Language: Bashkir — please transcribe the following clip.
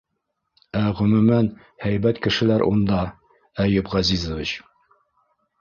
Ә, ғөмүмән, һәйбәт кешеләр унда, Әйүп Ғәзизович...